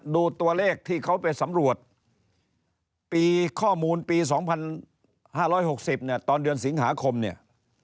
ดูตัวเลขที่เขาไปสำรวจปีข้อมูลปี๒๕๖๐เนี่ยตอนเดือนสิงหาคมเนี่ย